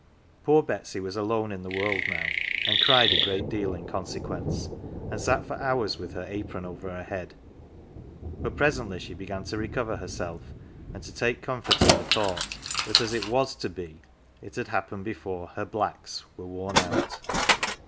Poor Betsy was alone in the world now, and cried a great deal in consequence, and sat for hours with her apron over her head; but presently she began to recover herself, and to take comfort in the thought that as it was to be it had happened before her " blacks " were worn out.